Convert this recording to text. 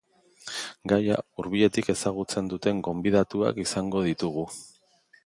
Gaia hurbiletik ezagutzen duten gonbidatuak izango ditugu.